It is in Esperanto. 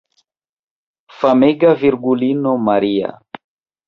Famega Virgulino Maria!